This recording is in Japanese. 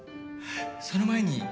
その前に。